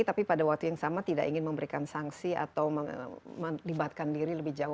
tapi pada waktu yang sama tidak ingin memberikan sanksi atau melibatkan diri lebih jauh